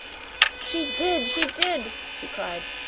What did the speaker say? "She did! She did!" she cried.